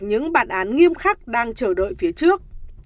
những bản án nghiêm khắc đang chờ đợi phía trước